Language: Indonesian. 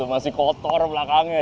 masih kotor belakangnya